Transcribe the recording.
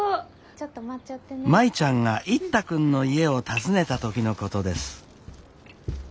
舞ちゃんが一太君の家を訪ねた時のことです。